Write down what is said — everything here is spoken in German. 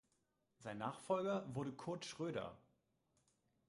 Sein Nachfolger wurde Kurt Schröder.